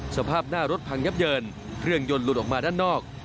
สภาพหน้ารถพังยับเยินเครื่องยนต์หลุดออกมาด้านนอก